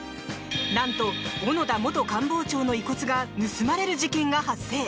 なんと、小野田元官房長の遺骨が盗まれる事件が発生。